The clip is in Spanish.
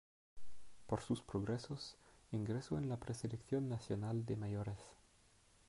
Por sus progresos, ingresó en la preselección nacional de mayores.